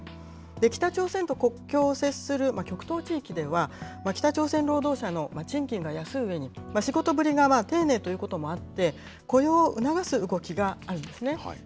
北朝鮮と国境を接する極東地域では、北朝鮮労働者の賃金が安いうえに、仕事ぶりが丁寧ということもあって、雇用を促す動きがあるんですね。